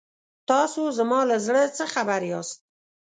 تاسو زما له زړه څخه خبر یاست.